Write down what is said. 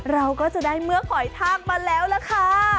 เราก็จะได้เมื่อหอยทากมาแล้วล่ะค่ะ